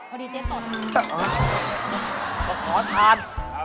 พอดีเจ๊ตนอ๋อเขาขอทานครับ